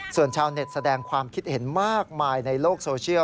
ส่วนชาวเน็ตแสดงความคิดเห็นมากมายในโลกโซเชียล